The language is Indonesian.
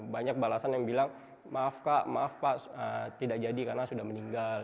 banyak balasan yang bilang maaf kak maaf pak tidak jadi karena sudah meninggal